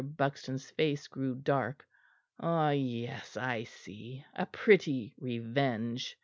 Buxton's face grew dark. "Ah yes, I see a pretty revenge."